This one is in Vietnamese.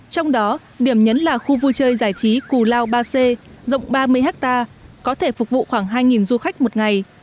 trong đó điểm nhấn là khu vui chơi giải trí cù lao ba c rộng ba mươi hectare có thể phục vụ khoảng hai du khách một ngày